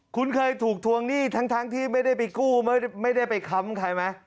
คุณเคยถูกทวงหนี้ทั้งที่ไม่ได้ไปกู้ไม่ได้ไปค้ำใครไหม